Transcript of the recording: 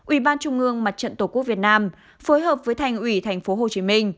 ủy ban trung ương mặt trận tổ quốc việt nam phối hợp với thành ủy tp hcm